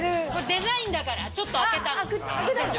デザインだからちょっと空けたの。